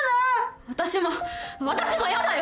私も私も嫌だよ！